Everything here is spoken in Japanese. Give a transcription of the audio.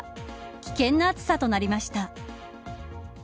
危険な暑さとなりました。